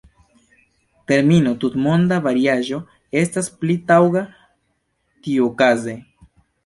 Termino tutmonda varmiĝo estas pli taŭga tiuokaze.